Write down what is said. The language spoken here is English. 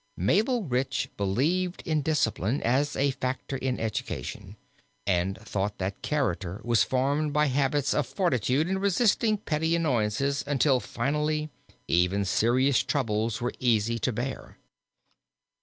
Mabel Rich believed in discipline, as a factor in education, and thought that character was formed by habits of fortitude in resisting petty annoyances until, finally, even serious troubles were easy to bear.